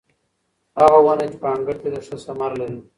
هغه ونه چې په انګړ کې ده ښه ثمر لري.